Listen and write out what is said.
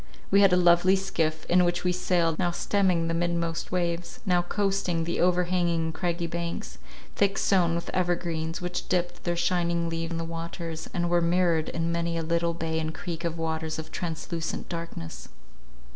We had a lovely skiff, in which we sailed, now stemming the midmost waves, now coasting the over hanging and craggy banks, thick sown with evergreens, which dipped their shining leaves in the waters, and were mirrored in many a little bay and creek of waters of translucent darkness.